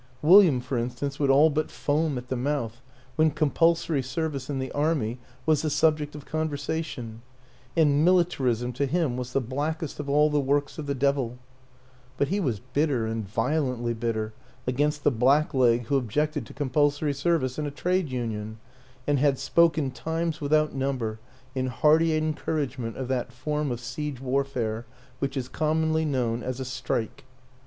William, for instance, would all but foam at the mouth when compulsory service in the army was the subject of conversation, and " militarism," to him, was the blackest of all the works of the devil; but he was bitter, and violently bitter, against the blackleg who objected to compulsory service in a Trade Union, and had spoken, times without number, in hearty encouragement of that form of siege warfare which is commonly known as a Strike.